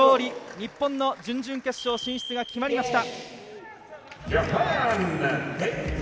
日本の準々決勝進出が決まりました。